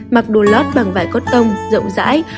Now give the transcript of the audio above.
mặc đồ lót bằng vải cốt tông rộng rãi